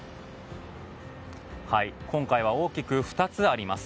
今回は、大きく２つあります。